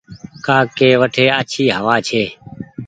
ڪآ ڪي وٺي آڇي هوآ ڇي ۔